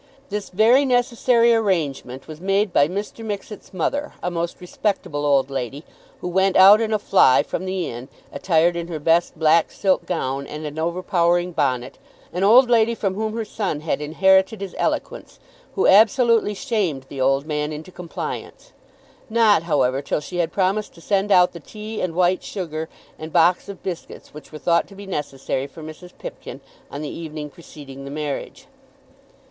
This very necessary arrangement was made by Mr. Mixet's mother, a most respectable old lady, who went out in a fly from the inn attired in her best black silk gown and an overpowering bonnet, an old lady from whom her son had inherited his eloquence, who absolutely shamed the old man into compliance, not, however, till she had promised to send out the tea and white sugar and box of biscuits which were thought to be necessary for Mrs. Pipkin on the evening preceding the marriage.